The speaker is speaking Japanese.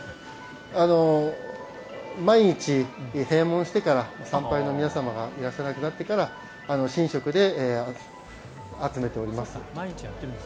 毎日、閉門してから参拝の皆様がいらっしゃらなくなってから神職で集めております。